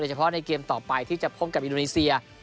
เฉพาะในเกมต่อไปที่จะพบกับอินโดนีเซีย